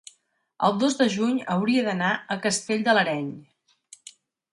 el dos de juny hauria d'anar a Castell de l'Areny.